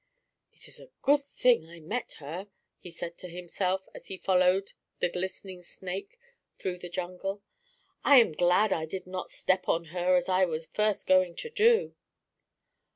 "It is a good thing I met her," he said to himself, as he followed the glistening snake through the jungle. "I am glad I did not step on her as I was first going to do."